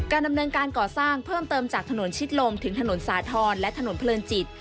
ดำเนินการก่อสร้างเพิ่มเติมจากถนนชิดลมถึงถนนสาธรณ์และถนนเพลินจิต